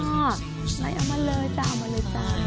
ไหนเอามาเลยจ้ะเอามาเลยจ้า